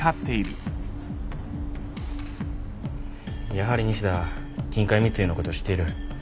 やはり西田は金塊密輸のことを知っている。